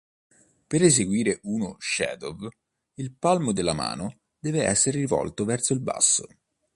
Per eseguire uno shadow il palmo della mano deve essere rivolto verso il basso.